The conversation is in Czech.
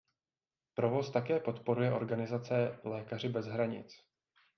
Provoz také podporuje organizace Lékaři bez hranic.